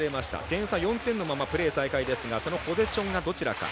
点差４点のままプレー再開ですがそのポゼッションがどちらか。